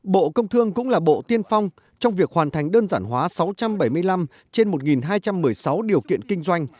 bộ công thương cũng là bộ tiên phong trong việc hoàn thành đơn giản hóa sáu trăm bảy mươi năm trên một hai trăm một mươi sáu điều kiện kinh doanh